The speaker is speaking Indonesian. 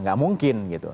gak mungkin gitu